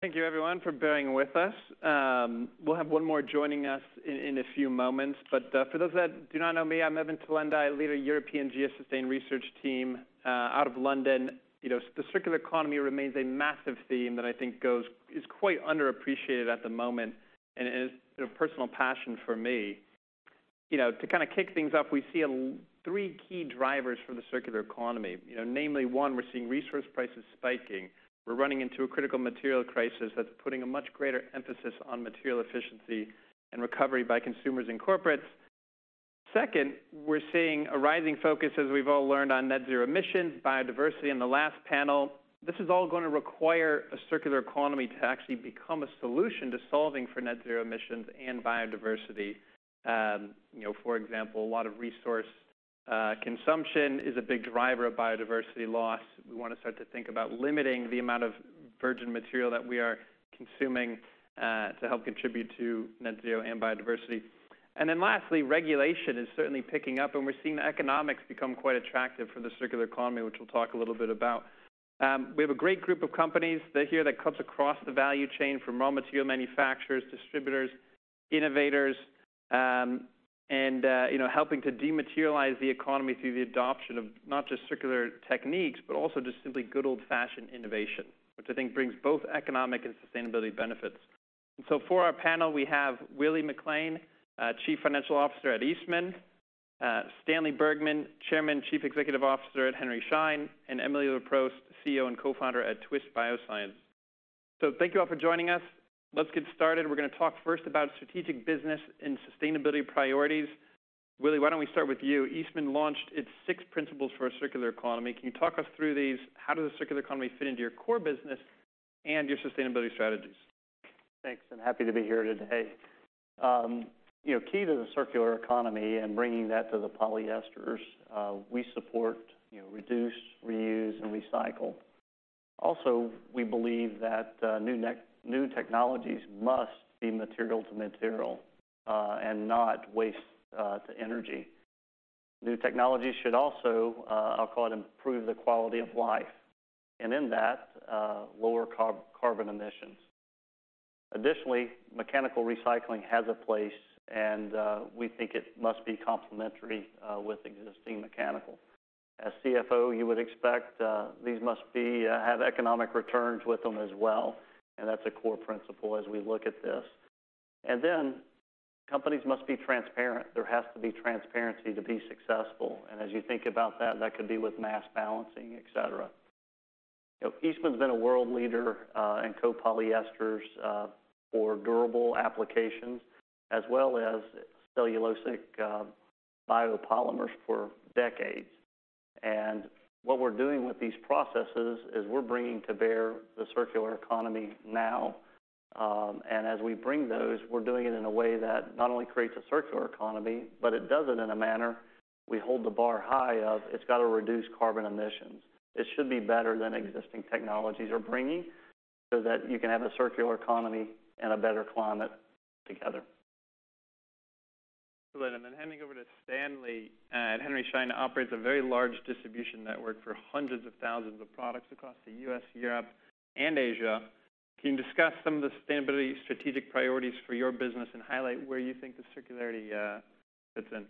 Thank you everyone for bearing with us. We'll have one more joining us in a few moments, but for those that do not know me, I'm Evan Tylenda. I lead a European GS SUSTAIN research team out of London. You know, the circular economy remains a massive theme that I think is quite underappreciated at the moment and is a personal passion for me. You know, to kind of kick things off, we see three key drivers for the circular economy. You know, namely, one, we're seeing resource prices spiking. We're running into a critical material crisis that's putting a much greater emphasis on material efficiency and recovery by consumers and corporates. Second, we're seeing a rising focus, as we've all learned, on net zero emissions, biodiversity in the last panel. This is all going to require a circular economy to actually become a solution to solving for net zero emissions and biodiversity. You know, for example, a lot of resource consumption is a big driver of biodiversity loss. We want to start to think about limiting the amount of virgin material that we are consuming to help contribute to net zero and biodiversity. And then lastly, regulation is certainly picking up, and we're seeing the economics become quite attractive for the circular economy, which we'll talk a little bit about. We have a great group of companies. They're here that cuts across the value chain from raw material manufacturers, distributors, innovators, and you know, helping to dematerialize the economy through the adoption of not just circular techniques, but also just simply good old-fashioned innovation, which I think brings both economic and sustainability benefits. So for our panel, we have Willie McLain, Chief Financial Officer at Eastman, Stanley Bergman, Chairman, Chief Executive Officer at Henry Schein, and Emily Leproust, CEO and Co-founder at Twist Bioscience. So thank you all for joining us. Let's get started. We're going to talk first about strategic business and sustainability priorities. Willie, why don't we start with you? Eastman launched its six principles for a circular economy. Can you talk us through these? How does the circular economy fit into your core business and your sustainability strategies? Thanks, and happy to be here today. You know, key to the circular economy and bringing that to the polyesters, we support, you know, reduce, reuse, and recycle. Also, we believe that new technologies must be material to material, and not waste to energy. New technologies should also, I'll call it, improve the quality of life, and in that, lower carbon emissions. Additionally, mechanical recycling has a place, and we think it must be complementary with existing mechanical. As CFO, you would expect, these must be have economic returns with them as well, and that's a core principle as we look at this. And then companies must be transparent. There has to be transparency to be successful, and as you think about that, that could be with mass balance, et cetera. You know, Eastman's been a world leader in co-polyesters for durable applications, as well as cellulosic biopolymers for decades. And what we're doing with these processes is we're bringing to bear the circular economy now, and as we bring those, we're doing it in a way that not only creates a circular economy, but it does it in a manner we hold the bar high of it's got to reduce carbon emissions. It should be better than existing technologies are bringing so that you can have a circular economy and a better climate together. And then handing over to Stanley. Henry Schein operates a very large distribution network for hundreds of thousands of products across the U.S., Europe, and Asia. Can you discuss some of the sustainability strategic priorities for your business and highlight where you think the circularity fits in?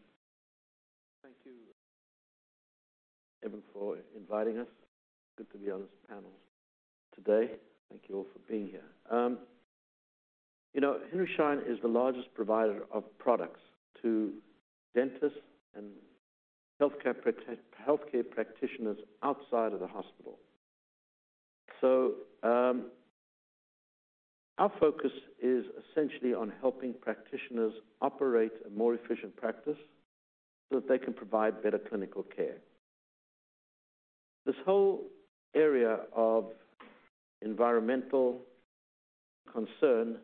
Thank you, Evan, for inviting us. Good to be on this panel today. Thank you all for being here. You know, Henry Schein is the largest provider of products to dentists and healthcare practitioners outside of the hospital. So, our focus is essentially on helping practitioners operate a more efficient practice so that they can provide better clinical care. This whole area of environmental concern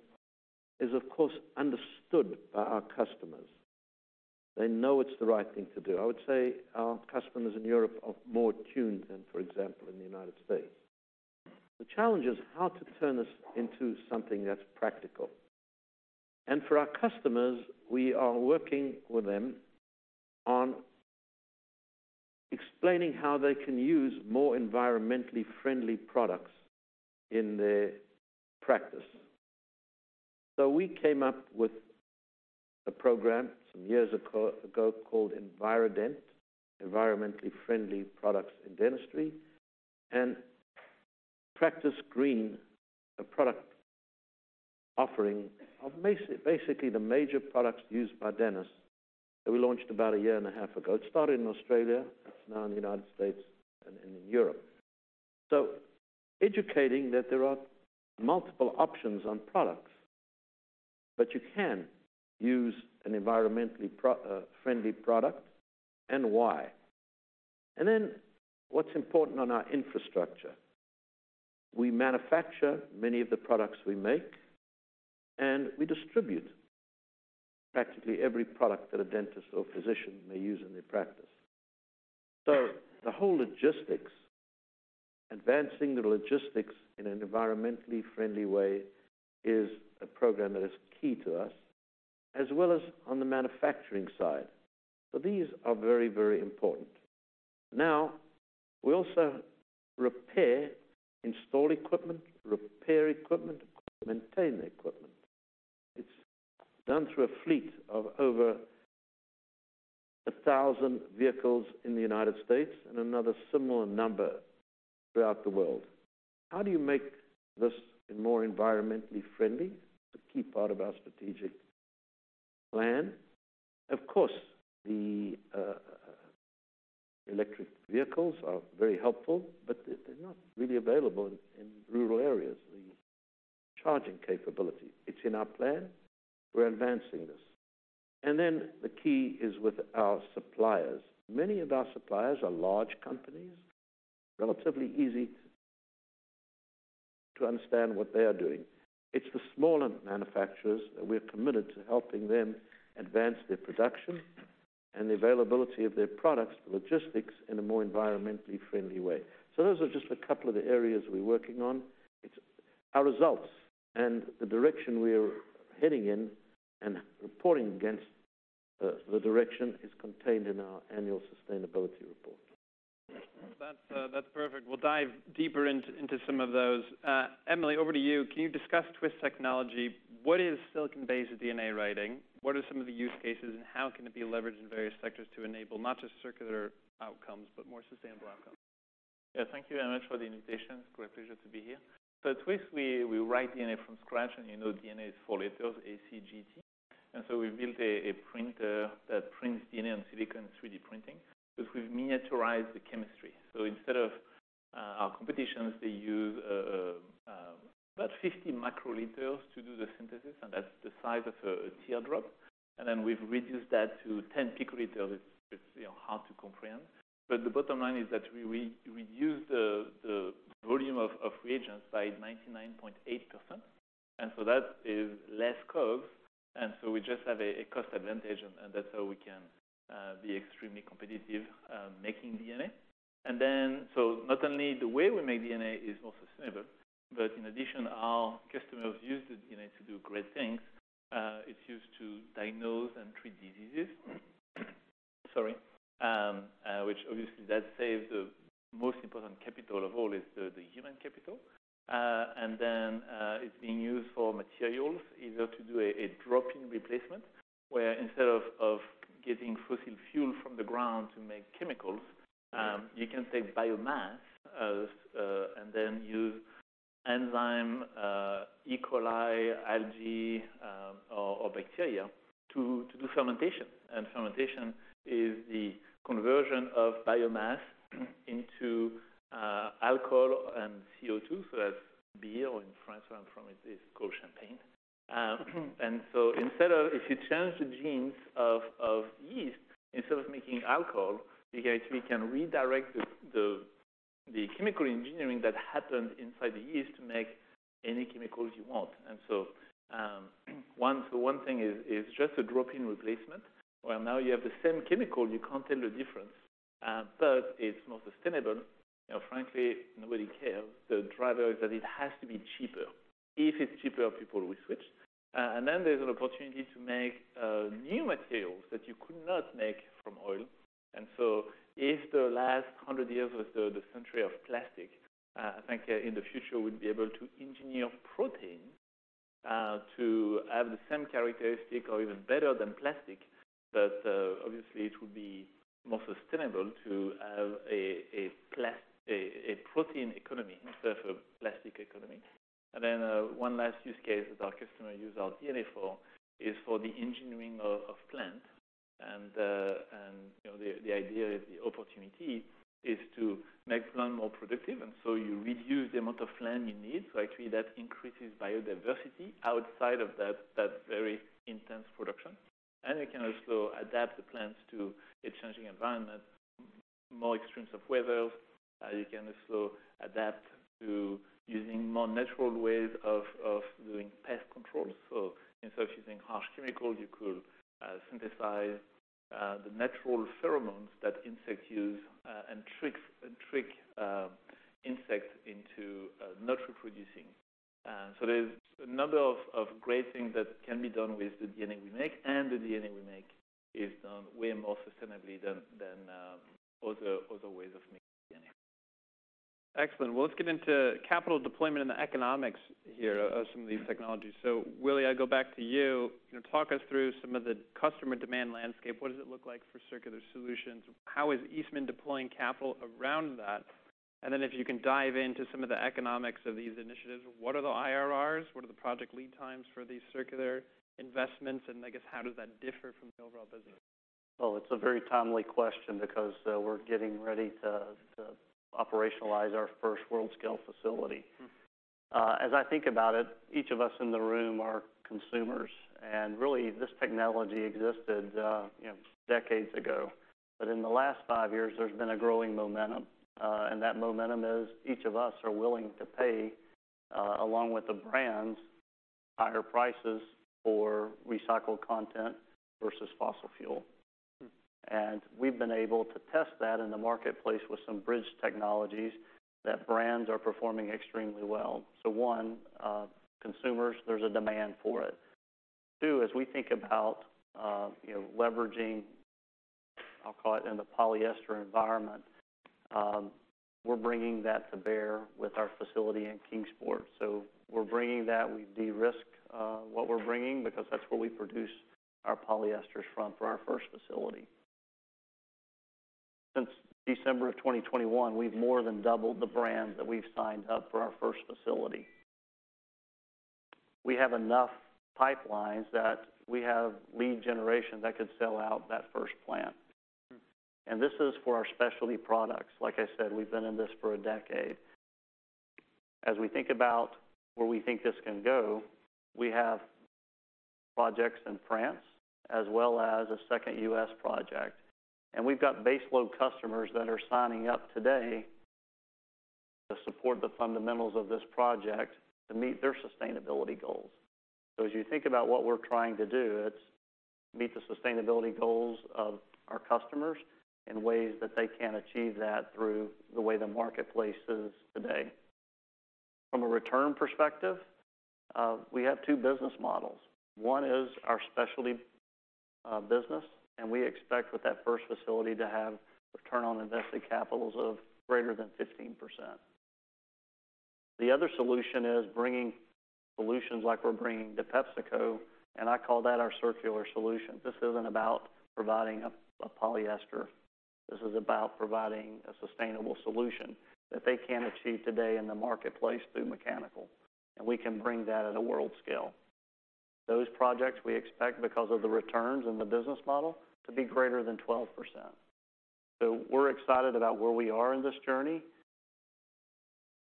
is, of course, understood by our customers. They know it's the right thing to do. I would say our customers in Europe are more tuned than, for example, in the United States. The challenge is how to turn this into something that's practical. And for our customers, we are working with them on explaining how they can use more environmentally friendly products in their practice. So we came up with a program some years ago called Envirodent, environmentally friendly products in dentistry, and Practice Green, a product offering of basically the major products used by dentists that we launched about a year and a half ago. It started in Australia, now in the United States and in Europe. So educating that there are multiple options on products, but you can use an environmentally friendly product and why. And then what's important on our infrastructure? We manufacture many of the products we make, and we distribute practically every product that a dentist or physician may use in their practice. So the whole logistics, advancing the logistics in an environmentally friendly way, is a program that is key to us, as well as on the manufacturing side. So these are very, very important.... Now, we also repair, install equipment, repair equipment, maintain the equipment. It's done through a fleet of over 1,000 vehicles in the United States and another similar number throughout the world. How do you make this more environmentally friendly? It's a key part of our strategic plan. Of course, the electric vehicles are very helpful, but they're not really available in rural areas, the charging capability. It's in our plan. We're advancing this. And then the key is with our suppliers. Many of our suppliers are large companies, relatively easy to understand what they are doing. It's the smaller manufacturers that we're committed to helping them advance their production and the availability of their products, logistics, in a more environmentally friendly way. So those are just a couple of the areas we're working on. It's our results and the direction we are heading in and reporting against. The direction is contained in our annual sustainability report. That's, that's perfect. We'll dive deeper into, into some of those. Emily, over to you. Can you discuss Twist technology? What is silicon-based DNA writing? What are some of the use cases, and how can it be leveraged in various sectors to enable not just circular outcomes, but more sustainable outcomes? Yeah, thank you very much for the invitation. Great pleasure to be here. So at Twist, we write DNA from scratch, and you know DNA is four letters: A, C, G, T. And so we built a printer that prints DNA on silicon 3D printing, because we've miniaturized the chemistry. So instead of our competitors, they use about 50 microliters to do the synthesis, and that's the size of a teardrop. And then we've reduced that to 10 picoliters. It's, you know, hard to comprehend. But the bottom line is that we reduce the volume of reagents by 99.8%, and so that is less waste, and so we just have a cost advantage, and that's how we can be extremely competitive making DNA. So not only the way we make DNA is more sustainable, but in addition, our customers use the DNA to do great things. It's used to diagnose and treat diseases. Sorry. Which obviously saves the most important capital of all is the human capital. And then, it's being used for materials, either to do a drop-in replacement, where instead of getting fossil fuel from the ground to make chemicals, you can take biomass, and then use enzyme, E. coli, algae, or bacteria to do fermentation. And fermentation is the conversion of biomass into alcohol and CO2, so that's beer, or in France, where I'm from, it is called champagne. And so instead of... If you change the genes of yeast, instead of making alcohol, you guys, we can redirect the chemical engineering that happened inside the yeast to make any chemicals you want. And so, one thing is just a drop-in replacement, where now you have the same chemical, you can't tell the difference, but it's more sustainable. You know, frankly, nobody cares. The driver is that it has to be cheaper. If it's cheaper, people will switch. And then there's an opportunity to make new materials that you could not make from oil. And so if the last 100 years was the century of plastic, I think in the future, we'd be able to engineer protein to have the same characteristic or even better than plastic. Obviously, it would be more sustainable to have a protein economy instead of a plastic economy. And then, one last use case that our customer use our DNA for is for the engineering of plants. And, you know, the idea is the opportunity is to make plant more productive, and so you reduce the amount of land you need. So actually, that increases biodiversity outside of that very intense production. And you can also adapt the plants to a changing environment, more extremes of weather. You can also adapt to using more natural ways of doing pest control. So instead of using harsh chemicals, you could synthesize the natural pheromones that insects use and trick insects into not reproducing. So there's a number of great things that can be done with the DNA we make, and the DNA we make is done way more sustainably than other ways of making DNA. Excellent. Well, let's get into capital deployment and the economics here of some of these technologies. So Willie, I go back to you. You know, talk us through some of the customer demand landscape. What does it look like for circular solutions? How is Eastman deploying capital around that? And then if you can dive into some of the economics of these initiatives, what are the IRRs? What are the project lead times for these circular investments? And I guess, how does that differ from the overall business? Well, it's a very timely question because, we're getting ready to, to operationalize our first world-scale facility. As I think about it, each of us in the room are consumers, and really, this technology existed, you know, decades ago. But in the last five years, there's been a growing momentum, and that momentum is each of us are willing to pay, along with the brands, higher prices for recycled content versus fossil fuel. And we've been able to test that in the marketplace with some bridge technologies that brands are performing extremely well. So one, consumers, there's a demand for it. Two, as we think about, you know, leveraging, I'll call it in the polyester environment, we're bringing that to bear with our facility in Kingsport. So we're bringing that. We de-risk what we're bringing, because that's where we produce our polyesters from for our first facility. Since December of 2021, we've more than doubled the brands that we've signed up for our first facility. We have enough pipelines that we have lead generation that could sell out that first plant. And this is for our specialty products. Like I said, we've been in this for a decade. As we think about where we think this can go, we have projects in France as well as a second U.S. project, and we've got baseload customers that are signing up today to support the fundamentals of this project to meet their sustainability goals. So as you think about what we're trying to do, it's meet the sustainability goals of our customers in ways that they can achieve that through the way the marketplace is today. From a return perspective, we have two business models. One is our specialty business, and we expect with that first facility to have return on invested capitals of greater than 15%. The other solution is bringing solutions like we're bringing to PepsiCo, and I call that our circular solution. This isn't about providing a polyester. This is about providing a sustainable solution that they can achieve today in the marketplace through mechanical, and we can bring that at a world scale. Those projects we expect, because of the returns and the business model, to be greater than 12%. So we're excited about where we are in this journey.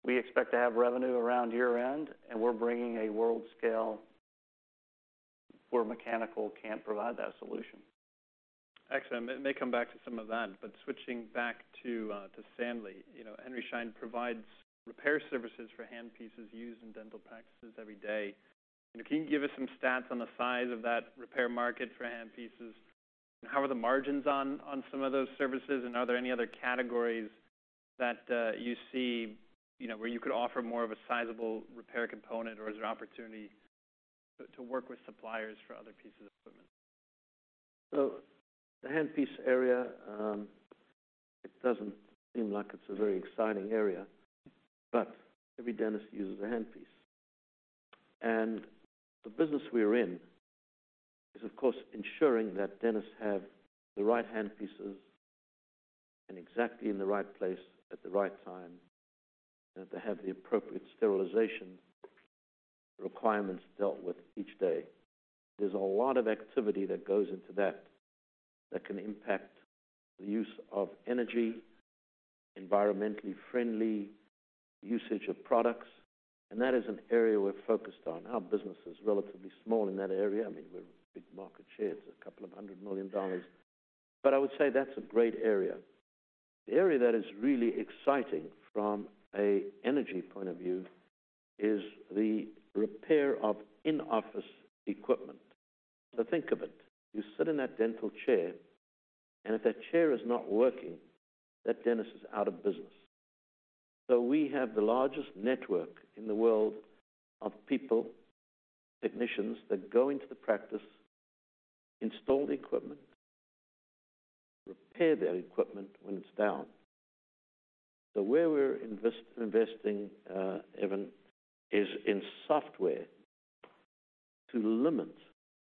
We expect to have revenue around year-end, and we're bringing a world scale where mechanical can't provide that solution. Excellent. May come back to some of that. But switching back to Stanley, you know, Henry Schein provides repair services for handpieces used in dental practices every day. Can you give us some stats on the size of that repair market for handpieces? How are the margins on some of those services, and are there any other categories that you see, you know, where you could offer more of a sizable repair component, or is there opportunity to work with suppliers for other pieces of equipment? The handpiece area, it doesn't seem like it's a very exciting area, but every dentist uses a handpiece. The business we're in is, of course, ensuring that dentists have the right handpieces and exactly in the right place at the right time, and to have the appropriate sterilization requirements dealt with each day. There's a lot of activity that goes into that, that can impact the use of energy, environmentally friendly usage of products, and that is an area we're focused on. Our business is relatively small in that area. I mean, we're big market share. It's $200 million. I would say that's a great area. The area that is really exciting from a energy point of view is the repair of in-office equipment. Think of it. You sit in that dental chair, and if that chair is not working, that dentist is out of business. So we have the largest network in the world of people, technicians, that go into the practice, install the equipment, repair their equipment when it's down. So where we're investing, Evan, is in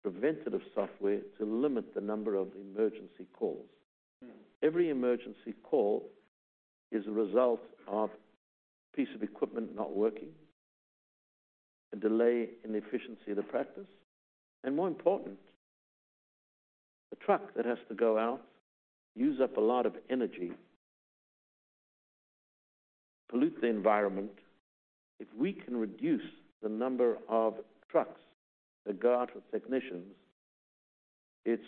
preventive software to limit the number of emergency calls. Mm-hmm. Every emergency call is a result of a piece of equipment not working, a delay in the efficiency of the practice, and more important, a truck that has to go out, use up a lot of energy, pollute the environment. If we can reduce the number of trucks that go out with technicians, it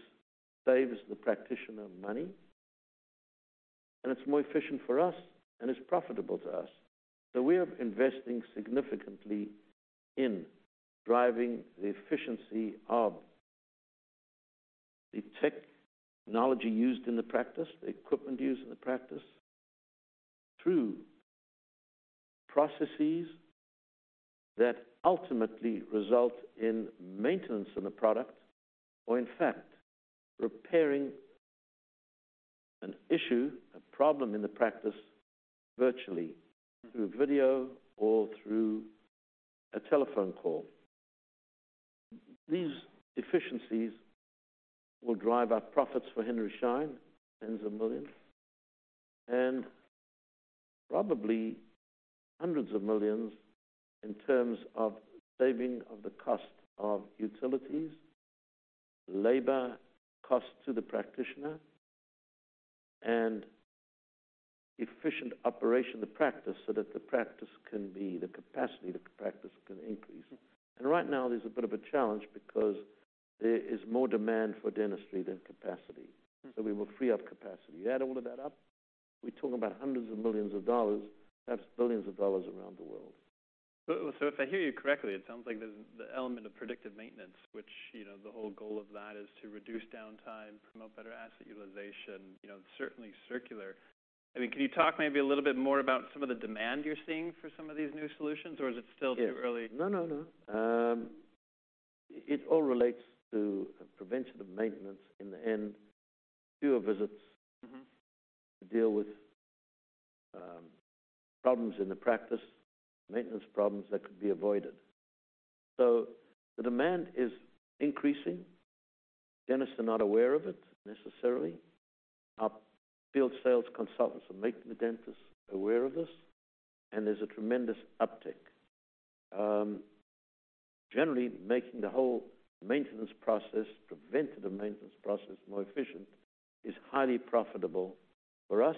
saves the practitioner money, and it's more efficient for us, and it's profitable to us. We are investing significantly in driving the efficiency of the technology used in the practice, the equipment used in the practice, through processes that ultimately result in maintenance of the product, or in fact, repairing an issue, a problem in the practice, virtually, through video or through a telephone call. These efficiencies will drive our profits for Henry Schein, hundreds of millions, and probably hundreds of millions in terms of saving of the cost of utilities, labor costs to the practitioner, and efficient operation of the practice, so that the capacity of the practice can increase. And right now, there's a bit of a challenge because there is more demand for dentistry than capacity. Mm-hmm. So we will free up capacity. You add all of that up, we're talking about hundreds of millions, perhaps billions around the world. So if I hear you correctly, it sounds like there's the element of predictive maintenance, which, you know, the whole goal of that is to reduce downtime, promote better asset utilization. You know, certainly circular.... I mean, can you talk maybe a little bit more about some of the demand you're seeing for some of these new solutions, or is it still too early? No, no, no. It all relates to preventive maintenance. In the end, fewer visits- Mm-hmm. To deal with problems in the practice, maintenance problems that could be avoided. So the demand is increasing. Dentists are not aware of it necessarily. Our field sales consultants are making the dentists aware of this, and there's a tremendous uptick. Generally, making the whole maintenance process, preventive maintenance process, more efficient is highly profitable for us,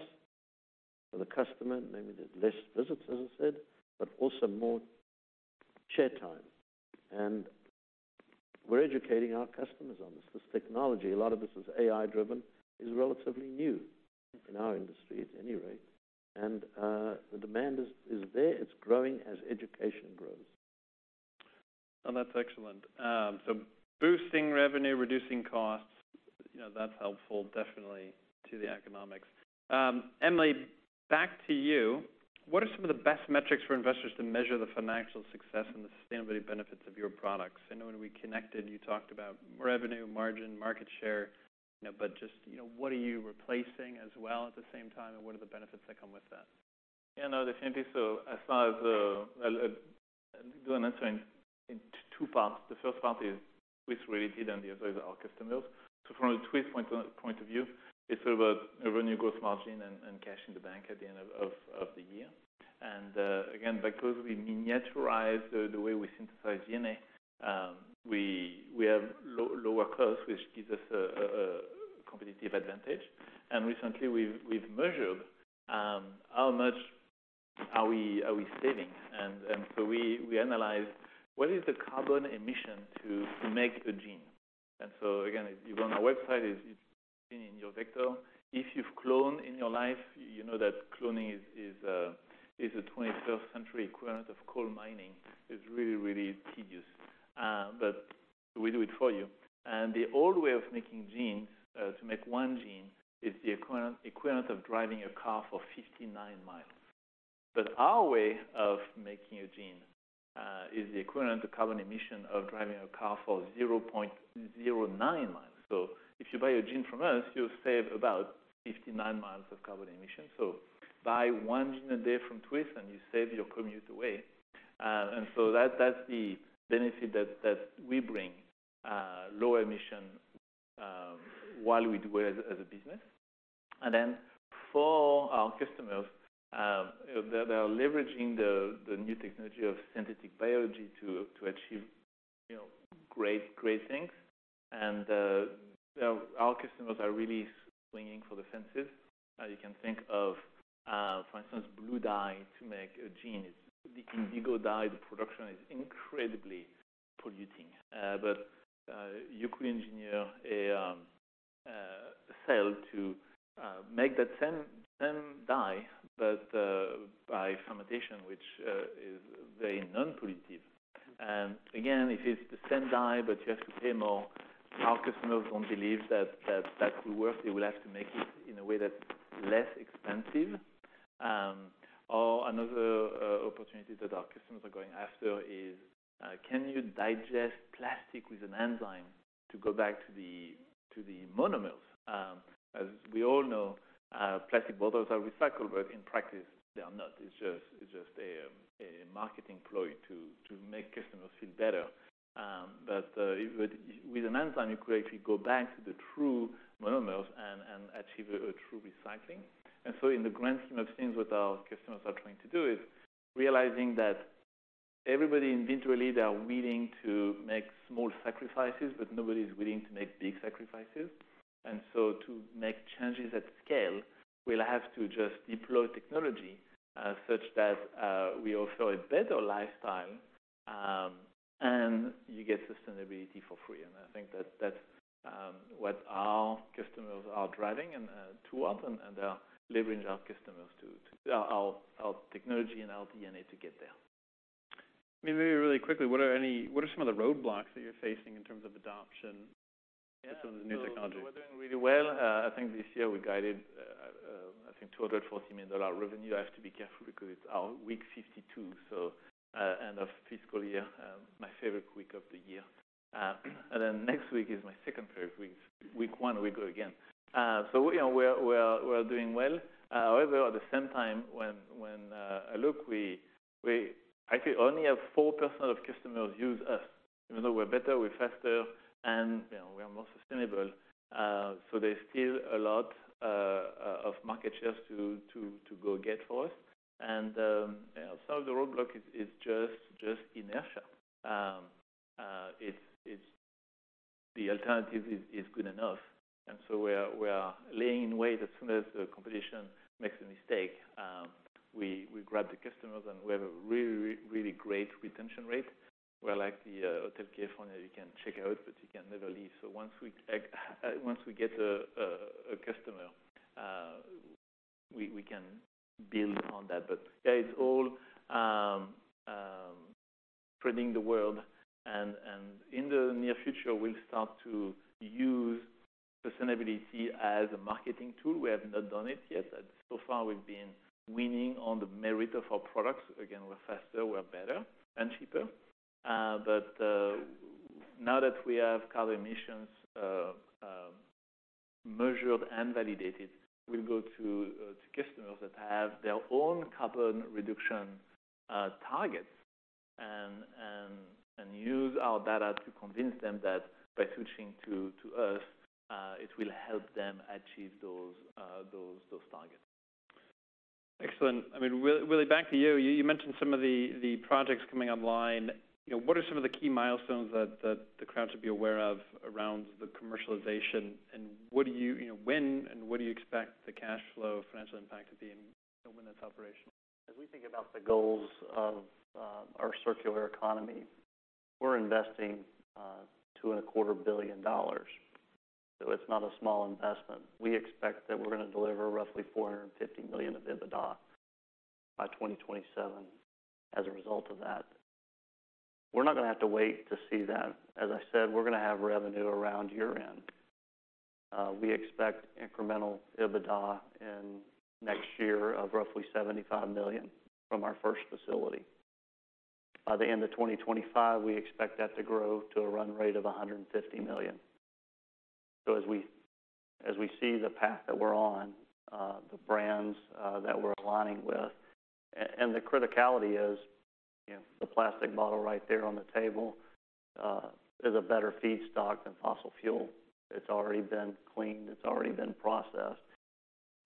for the customer. Maybe there's less visits, as I said, but also more chair time, and we're educating our customers on this. This technology, a lot of this is AI-driven, is relatively new in our industry at any rate, and the demand is there. It's growing as education grows. Oh, that's excellent. So boosting revenue, reducing costs, you know, that's helpful definitely to the economics. Emily, back to you. What are some of the best metrics for investors to measure the financial success and the sustainability benefits of your products? I know when we connected, you talked about revenue, margin, market share, you know, but just, you know, what are you replacing as well at the same time, and what are the benefits that come with that? Yeah, no, definitely. So as far as I'll do an answer in two parts. The first part is Twist-related, and the other is our customers. So from a Twist point of view, it's about revenue growth margin and cash in the bank at the end of the year. And again, because we miniaturize the way we synthesize DNA, we have lower costs, which gives us a competitive advantage. And recently, we've measured how much are we saving? And so we analyzed what is the carbon emission to make a gene. And so again, if you go on our website, it's in your vector. If you've cloned in your life, you know that cloning is a 21st century equivalent of coal mining. It's really, really tedious, but we do it for you. The old way of making genes to make one gene is the equivalent, equivalent of driving a car for 59 mi. Our way of making a gene is the equivalent of carbon emission of driving a car for 0.09 mi. So if you buy a gene from us, you save about 59 mi of carbon emission. So buy one gene a day from Twist, and you save your commute away. So that, that's the benefit that we bring, low emission while we do it as a business. Then for our customers, they are leveraging the new technology of synthetic biology to achieve, you know, great, great things. Our customers are really swinging for the fences. You can think of, for instance, blue dye to make jeans. It's the indigo dye. The production is incredibly polluting. But you could engineer a cell to make that same dye by fermentation, which is very non-polluting. And again, it is the same dye, but you have to pay more. Our customers don't believe that will work. They will have to make it in a way that's less expensive. Or another opportunity that our customers are going after is, can you digest plastic with an enzyme to go back to the monomers? As we all know, plastic bottles are recycled, but in practice, they are not. It's just a marketing ploy to make customers feel better. But with an enzyme, you could actually go back to the true monomers and achieve a true recycling. And so in the grand scheme of things, what our customers are trying to do is realizing that everybody individually, they are willing to make small sacrifices, but nobody's willing to make big sacrifices. And so to make changes at scale, we'll have to just deploy technology such that we offer a better lifestyle and you get sustainability for free. And I think that's what our customers are driving towards, and they are leveraging our technology and our DNA to get there. Maybe really quickly, what are some of the roadblocks that you're facing in terms of adoption? Yeah. of this new technology? We're doing really well. I think this year we guided, I think $240 million revenue. I have to be careful because it's our week 52, so, end of fiscal year, my favorite week of the year. And then next week is my second favorite week, week one, we go again. So we are, we're doing well. However, at the same time, when I look, we actually only have 4% of customers use us, even though we're better, we're faster, and, you know, we are more sustainable. So there's still a lot of market shares to go get for us. And, some of the roadblock is just inertia. It's the alternative is good enough, and so we are laying in wait. As soon as the competition makes a mistake, we grab the customers, and we have a really, really, really great retention rate. We're like the Hotel California. You can check out, but you can never leave. So once we get a customer, we can build on that. But yeah, it's all spreading the word, and in the near future, we'll start to use sustainability as a marketing tool. We have not done it yet, but so far we've been winning on the merit of our products. Again, we're faster, we're better and cheaper. But now that we have carbon emissions measured and validated, we'll go to customers that have their own carbon reduction targets and use our data to convince them that by switching to us, it will help them achieve those targets. Excellent. I mean, Willie, back to you. You mentioned some of the projects coming online. You know, what are some of the key milestones that the crowd should be aware of around the commercialization? And what do you, you know, when and what do you expect the cash flow financial impact to be and, you know, when it's operational? As we think about the goals of our circular economy, we're investing $2.25 billion. So it's not a small investment. We expect that we're going to deliver roughly $450 million of EBITDA by 2027 as a result of that. We're not going to have to wait to see that. As I said, we're going to have revenue around year-end. We expect incremental EBITDA in next year of roughly $75 million from our first facility. By the end of 2025, we expect that to grow to a run rate of $150 million. So as we see the path that we're on, the brands that we're aligning with. And the criticality is, you know, the plastic bottle right there on the table is a better feedstock than fossil fuel. It's already been cleaned, it's already been processed,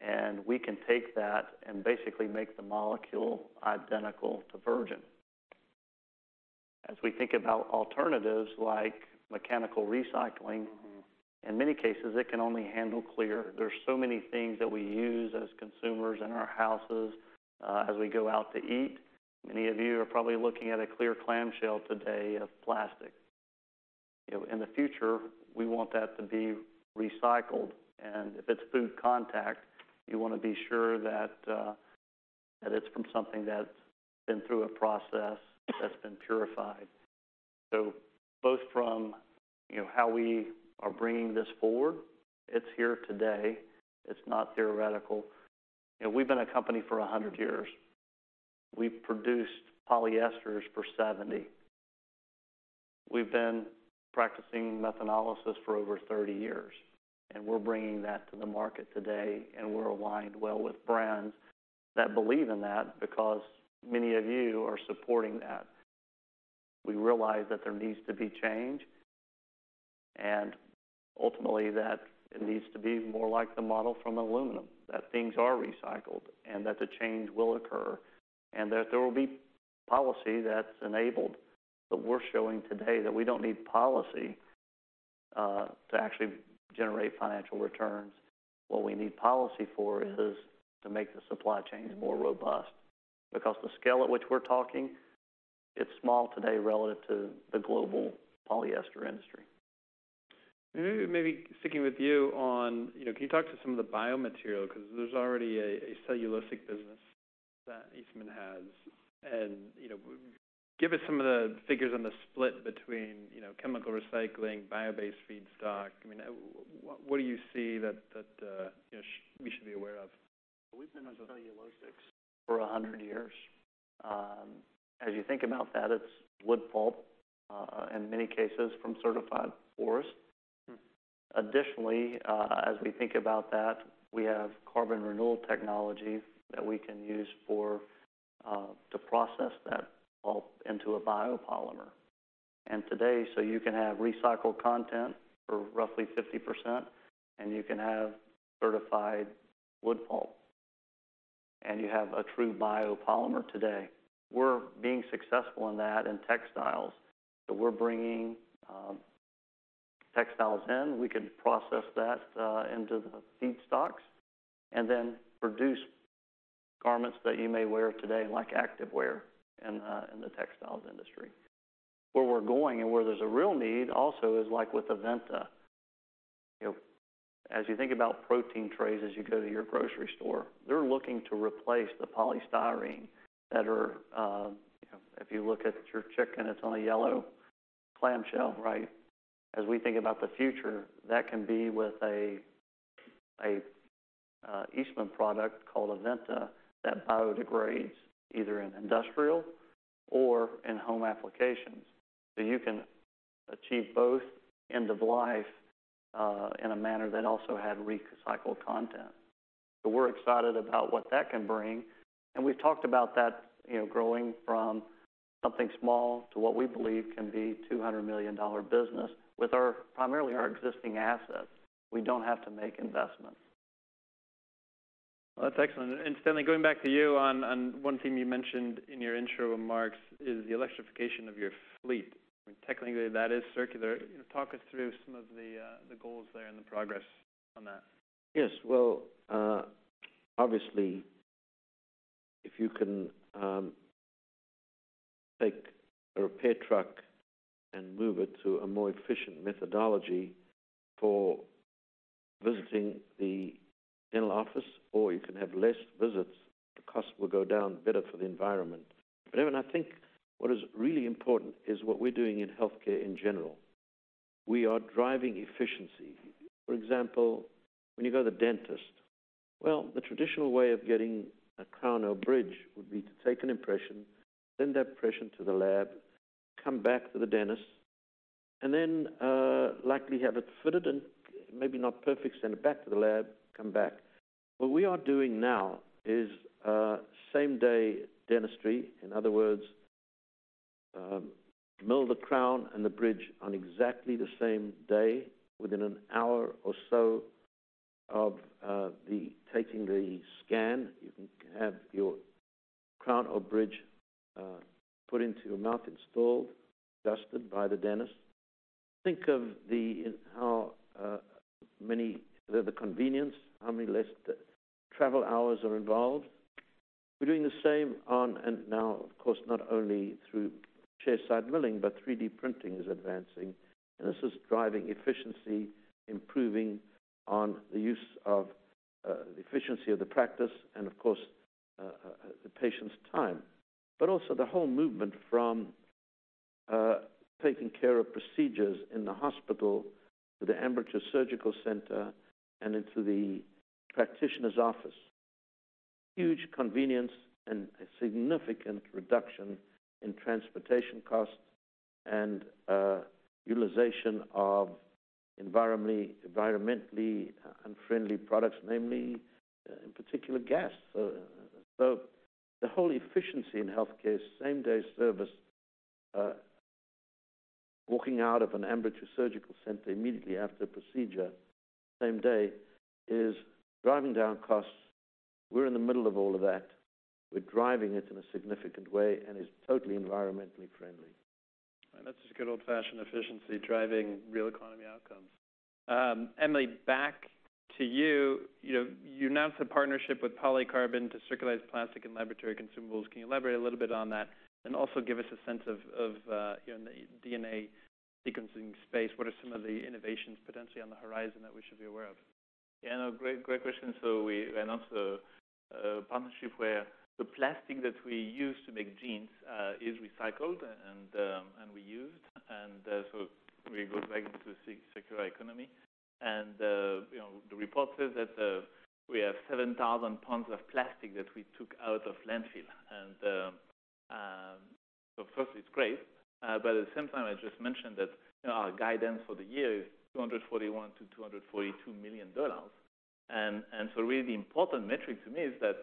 and we can take that and basically make the molecule identical to virgin. As we think about alternatives like mechanical recycling, in many cases, it can only handle clear. There are so many things that we use as consumers in our houses, as we go out to eat. Many of you are probably looking at a clear clamshell today of plastic. You know, in the future, we want that to be recycled, and if it's food contact, you want to be sure that that it's from something that's been through a process, that's been purified. So both from, you know, how we are bringing this forward, it's here today, it's not theoretical. And we've been a company for 100 years. We've produced polyesters for 70. We've been practicing methanolysis for over 30 years, and we're bringing that to the market today, and we're aligned well with brands that believe in that, because many of you are supporting that. We realize that there needs to be change, and ultimately, that it needs to be more like the model from aluminum, that things are recycled and that the change will occur, and that there will be policy that's enabled. But we're showing today that we don't need policy to actually generate financial returns. What we need policy for is to make the supply chain more robust, because the scale at which we're talking, it's small today relative to the global polyester industry. Maybe, maybe sticking with you on, you know, can you talk to some of the biomaterial? Because there's already a cellulosic business that Eastman has, and, you know, give us some of the figures on the split between, you know, chemical recycling, bio-based feedstock. I mean, what do you see that, that, you know, we should be aware of? We've been into cellulosics for 100 years. As you think about that, it's wood pulp, in many cases from certified forests. Mm-hmm. Additionally, as we think about that, we have Carbon Renewal Technology that we can use for to process that pulp into a biopolymer. And today, so you can have recycled content for roughly 50%, and you can have certified wood pulp, and you have a true biopolymer today. We're being successful in that in textiles, so we're bringing textiles in. We can process that into the feedstocks and then produce garments that you may wear today, like activewear in the textiles industry. Where we're going and where there's a real need also is like with Aventa. You know, as you think about protein trays, as you go to your grocery store, they're looking to replace the polystyrene that are, you know, if you look at your chicken, it's on a yellow clamshell, right? As we think about the future, that can be with a Eastman product called Aventa, that biodegrades either in industrial or in home applications. So you can achieve both end of life in a manner that also had recycled content. So we're excited about what that can bring, and we've talked about that, you know, growing from something small to what we believe can be a $200 million business with our primarily our existing assets. We don't have to make investments. Well, that's excellent. Stanley, going back to you on one thing you mentioned in your intro remarks, is the electrification of your fleet. Technically, that is circular. Talk us through some of the, the goals there and the progress on that. Yes. Well, obviously, if you can take a repair truck and move it to a more efficient methodology for visiting the dental office, or you can have less visits, the cost will go down, better for the environment. But, Evan, I think what is really important is what we're doing in healthcare in general. We are driving efficiency. For example, when you go to the dentist, well, the traditional way of getting a crown or bridge would be to take an impression, send that impression to the lab, come back to the dentist, and then, likely have it fitted and maybe not perfect, send it back to the lab, come back. What we are doing now is same-day dentistry. In other words, mill the crown and the bridge on exactly the same day. Within an hour or so of the taking the scan, you can have your crown or bridge put into your mouth, installed, adjusted by the dentist. Think of the, how, many the convenience, how many less travel hours are involved. We're doing the same on, and now, of course, not only through chairside milling, but 3D printing is advancing. And this is driving efficiency, improving on the use of the efficiency of the practice and, of course, the patient's time, but also the whole movement from taking care of procedures in the hospital to the ambulatory surgical center and into the practitioner's office. Huge convenience and a significant reduction in transportation costs and, utilization of environmentally, environmentally unfriendly products, namely, in particular, gas. The whole efficiency in healthcare, same-day service, walking out of an ambulatory surgical center immediately after the procedure, same day, is driving down costs. We're in the middle of all of that. We're driving it in a significant way, and it's totally environmentally friendly. And that's just good old-fashioned efficiency, driving real economy outcomes. Emily, back to you. You know, you announced a partnership with Polycarbin to circularize plastic and laboratory consumables. Can you elaborate a little bit on that and also give us a sense of, you know, the DNA sequencing space? What are some of the innovations potentially on the horizon that we should be aware of? Yeah, no, great, great question. So we announced a partnership where the plastic that we use to make genes is recycled and reused. And so we go back into the circular economy. And you know, the report says that we have 7,000 lbs of plastic that we took out of landfill. And so first it's great, but at the same time, I just mentioned that our guidance for the year is $241 million-$242 million. And so really the important metric to me is that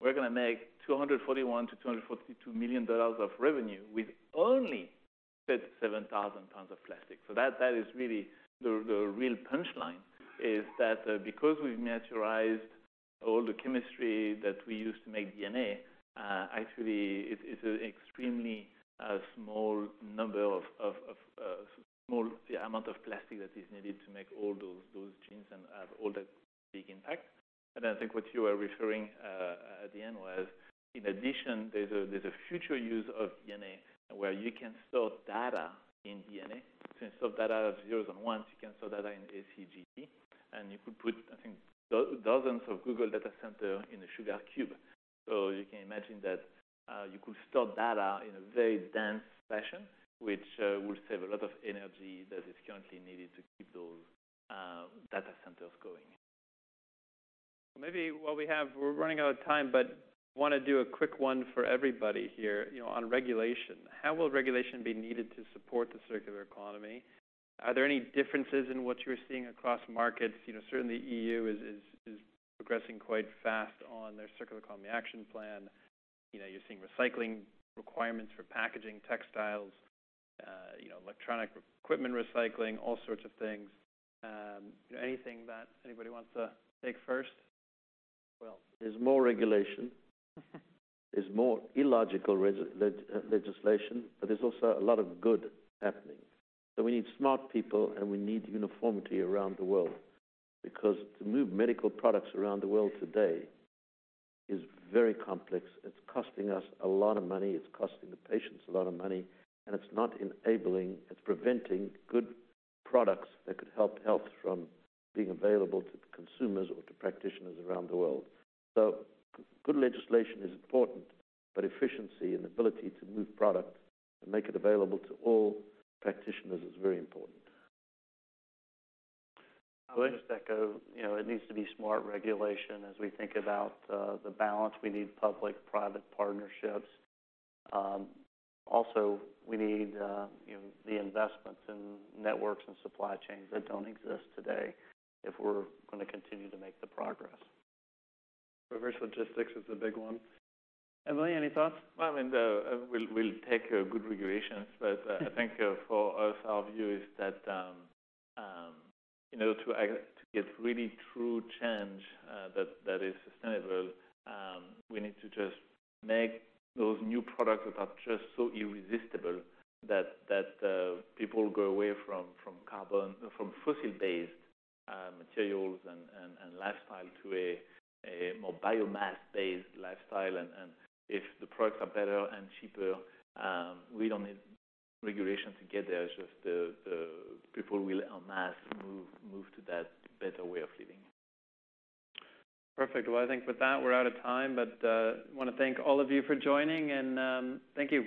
we're gonna make $241 million-$242 million of revenue with only 7,000 lbs of plastic. So that is really the real punchline, is that, because we've matured all the chemistry that we use to make DNA, actually it's an extremely small number of small amount of plastic that is needed to make all those genes and have all that big impact. And I think what you are referring at the end was, in addition, there's a future use of DNA where you can store data in DNA. You can store data as zeros and ones, you can store data in ACGT, and you could put, I think, dozens of Google Data Center in a sugar cube. So you can imagine that you could store data in a very dense fashion, which would save a lot of energy that is currently needed to keep those data centers going. We're running out of time, but want to do a quick one for everybody here, you know, on regulation. How will regulation be needed to support the Circular Economy? Are there any differences in what you're seeing across markets? You know, certainly EU is progressing quite fast on their Circular Economy Action Plan. You know, you're seeing recycling requirements for packaging, textiles, you know, electronic equipment recycling, all sorts of things. Anything that anybody wants to take first? Well, there's more regulation. There's more illogical legislation, but there's also a lot of good happening. So we need smart people, and we need uniformity around the world, because to move medical products around the world today is very complex. It's costing us a lot of money, it's costing the patients a lot of money, and it's not enabling... It's preventing good products that could help health from being available to consumers or to practitioners around the world. So good legislation is important, but efficiency and ability to move product and make it available to all practitioners is very important. I'll just echo, you know, it needs to be smart regulation. As we think about, the balance, we need public-private partnerships. Also, we need, you know, the investments in networks and supply chains that don't exist today if we're gonna continue to make the progress. Reverse logistics is a big one. Emily, any thoughts? Well, I mean, we'll take a good regulations, but I think, for us, our view is that, you know, to get really true change, that is sustainable, we need to just make those new products that are just so irresistible that, people go away from, from carbon, from fossil-based, materials and, and lifestyle to a more biomass-based lifestyle. And if the products are better and cheaper, we don't need regulation to get there. Just the people will en masse move to that better way of living. Perfect. Well, I think with that, we're out of time, but I want to thank all of you for joining, and thank you very-